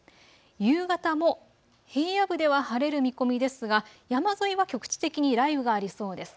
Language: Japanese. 夕方も平野部では晴れる見込みですが山沿いは局地的に雷雨がありそうです。